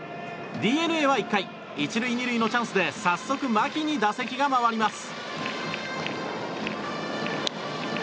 ＤｅＮＡは１回１塁２塁のチャンスで早速、牧に打席が回ります。